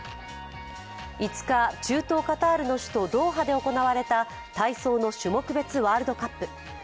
５日、中東カタールの首都ドーハで行われた体操の種目別ワールドカップ。